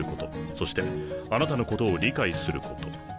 そしてあなたのことを理解すること。